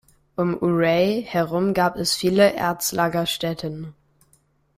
Um Ouray herum gab es viele Erzlagerstätten.